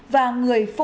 và người phụ nữ